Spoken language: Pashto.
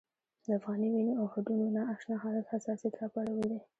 د افغاني وینو او هډونو نا اشنا حالت حساسیت راپارولی.